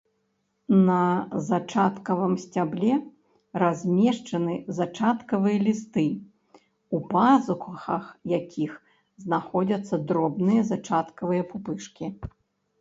На зачаткавым сцябле размешчаны зачаткавыя лісты, у пазухах якіх знаходзяцца дробныя зачаткавыя пупышкі.